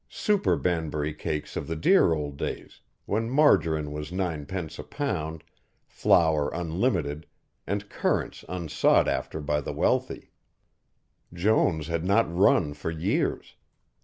Super Banbury cakes of the dear old days, when margarine was ninepence a pound, flour unlimited, and currants unsought after by the wealthy. Jones had not run for years.